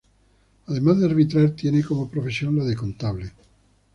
Además de arbitrar tiene como profesión la de contable.